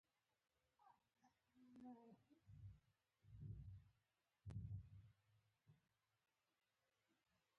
بایسکل د ټرافیکي ستونزو د حل لپاره ښه حل دی.